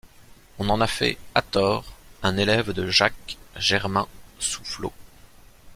On en a fait, à tort, un élève de Jacques-Germain Soufflot.